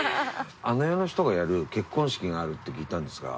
あの世の人がやる結婚式があるって聞いたんですが。